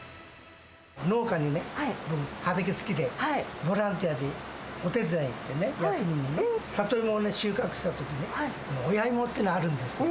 農家にね、畑好きで、ボランティアでお手伝いに行ってね、休みにね、サトイモを収穫したときに、親芋というのがあるんですよ。